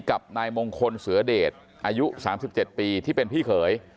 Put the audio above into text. กับนายมงคลเสือเดชอายุ๓๗ปีที่เป็นพี่เขย